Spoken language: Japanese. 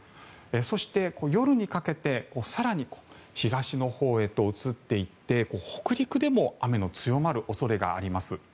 そして、夜にかけて更に東のほうへと移っていって北陸でも雨の強まる恐れがあります。